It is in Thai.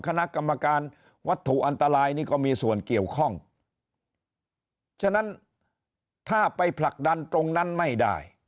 คณะกรรมการวัตถุอันตรายนี่ก็มีส่วนเกี่ยวข้องฉะนั้นถ้าไปผลักดันตรงนั้นไม่ได้